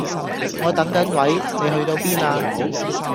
我等緊位，你去到邊呀